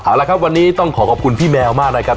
เอาละครับวันนี้ต้องขอขอบคุณพี่แมวมากนะครับ